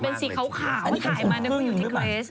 เป็นนี่คือคุณกึ่งหรือเปล่า